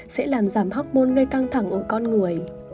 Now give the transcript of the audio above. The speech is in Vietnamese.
sẽ làm giảm hormôn gây căng thẳng ổn con người